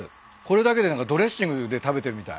これだけで何かドレッシングで食べてるみたい。